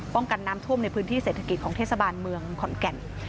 กันน้ำท่วมในพื้นที่เศรษฐกิจของเทศบาลเมืองขอนแก่น